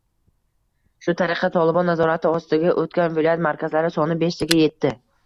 Shu tariqa “Tolibon” nazorati ostiga o‘tgan viloyat markazlari soni beshtaga yetdi